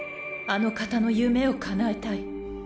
あの方の夢をかなえたい。